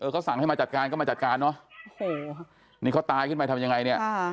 เขาสั่งให้มาจัดการก็มาจัดการเนอะโอ้โหนี่เขาตายขึ้นไปทำยังไงเนี่ย